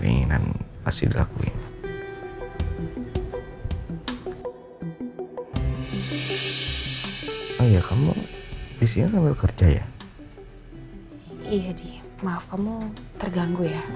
iya dih maaf kamu terganggu ya